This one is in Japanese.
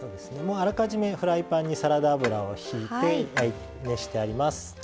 あらかじめ、フライパンにサラダ油を引いて熱してあります。